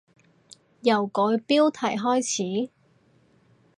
由改標題開始？